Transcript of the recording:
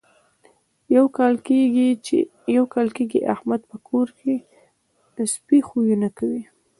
یو کال کېږي احمد په کور کې سپي خویونه کوي.